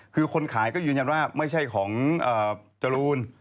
คือคนขายก็ยืนยันว่าไม่ใช่ของจรูน